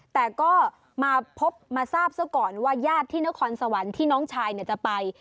แต่ก็มาพบมาทราบซะก่อนว่าญาติที่นครสวรรค์ที่น้องชายจะไป